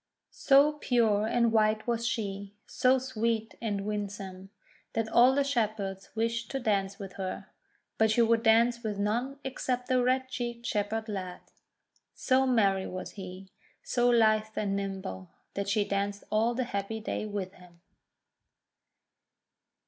So pure and white was she, so sweet and win some, that all the Shepherds wished to dance with her. But she would dance with none ex cept a red cheeked Shepherd lad. So merry was he, so lithe and nimble, that she danced all the happy day with him.